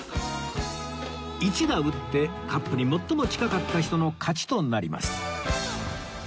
１打打ってカップに最も近かった人の勝ちとなります